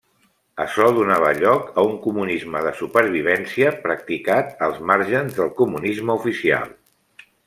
Açò donava lloc a un comunisme de supervivència practicat als màrgens del comunisme oficial.